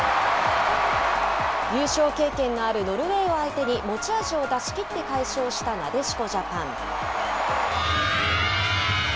優勝経験のあるノルウェーを相手に持ち味を出しきって快勝したなでしこジャパン。